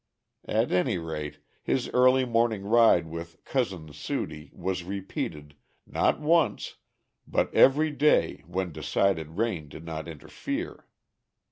At any rate, his early morning ride with "Cousin Sudie" was repeated, not once, but every day when decided rain did not interfere.